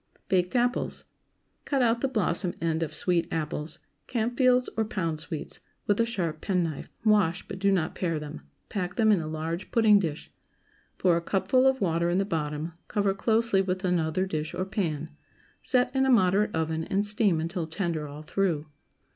BAKED APPLES. ✠ Cut out the blossom end of sweet apples—Campfields or Pound Sweets—with a sharp penknife; wash, but do not pare them; pack them in a large pudding dish; pour a cupful of water in the bottom, cover closely with another dish or pan; set in a moderate oven, and steam until tender all through.